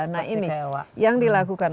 nah ini yang dilakukan